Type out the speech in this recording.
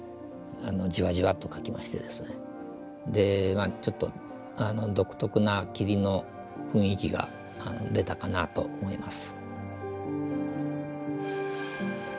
まあちょっと独特な霧の雰囲気が出たかなと思います。